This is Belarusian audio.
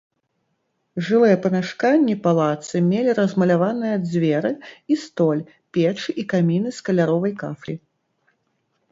Жылыя памяшканні палаца мелі размаляваныя дзверы і столь, печы і каміны з каляровай кафлі.